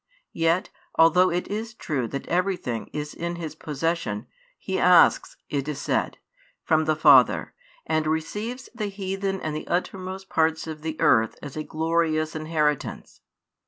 Yet, although it is true that everything is in His possession, He asks, it is said, from the Father, and receives the heathen and the uttermost parts of the earth as a glorious inheritance.